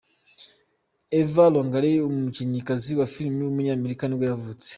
Eva Longoria, umukinnyikazi wa filime w’umunyamerika nibwo yavutse.